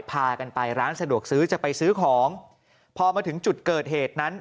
พากันไปร้านสะดวกซื้อจะไปซื้อของพอมาถึงจุดเกิดเหตุนั้น